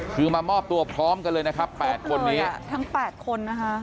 คือมามอบตัวพร้อมกันเลยนะครับแปดคนนี้ทั้ง๘คนนะคะ